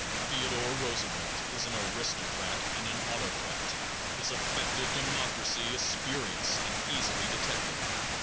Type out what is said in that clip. Theodore Roosevelt is an aristocrat and an autocrat. His affected democracy is spurious and easily detected.